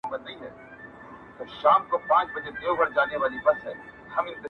درته ليكمه نا په حسن كـــــــي دي گـــــــډ يـــــم.